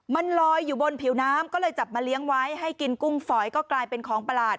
มันลอยอยู่บนผิวน้ำก็เลยจับมาเลี้ยงไว้ให้กินกุ้งฝอยก็กลายเป็นของประหลาด